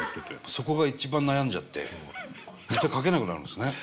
そこが一番悩んじゃってネタ書けなくなるんですね。